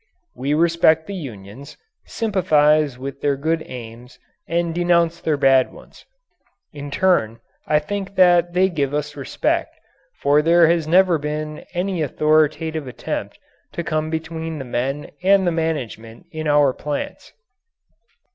We respect the unions, sympathize with their good aims and denounce their bad ones. In turn I think that they give us respect, for there has never been any authoritative attempt to come between the men and the management in our plants.